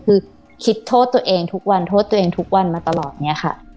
คือคิดโทษตัวเองทุกวันโทษตัวเองทุกวันมาตลอดเนี่ยค่ะ